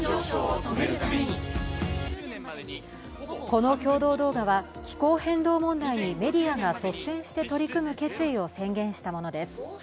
この共同動画は気候変動問題にメディアが率先して取り組む決意を宣言したものです。